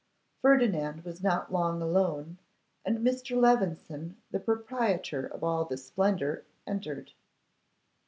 Ferdinand was not long alone, and Mr. Levison, the proprietor of all this splendour, entered.